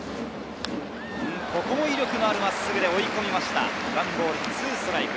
威力のある真っすぐで追い込みました。